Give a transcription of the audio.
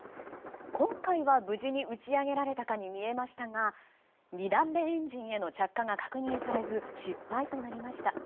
今回は無事に打ち上げられたかに見えましたが２段目エンジンへの着火が確認されず失敗となりました。